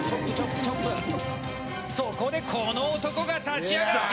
そこで、この男が立ち上がった！